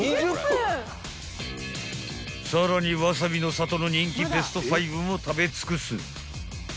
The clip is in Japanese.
［さらにわさびの里の人気ベスト５も食べ尽くす］